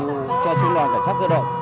vụ cho trung đoàn cảnh sát cơ động